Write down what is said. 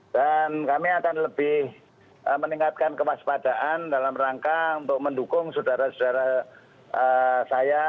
dan kami akan lebih meningkatkan kewaspadaan dalam rangka untuk mendukung saudara saudara saya